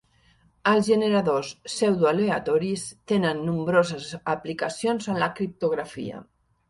Els generadors pseudoaleatoris tenen nombroses aplicacions en la criptografia.